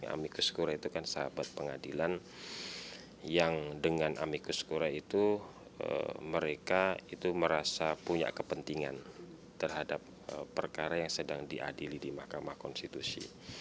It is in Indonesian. amikus kura itu kan sahabat pengadilan yang dengan amikus kura itu mereka itu merasa punya kepentingan terhadap perkara yang sedang diadili di mahkamah konstitusi